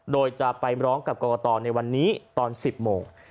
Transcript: โดยจะไปร้องกับกรกตในวันนี้ตอน๑๐โมง